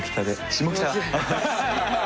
下北。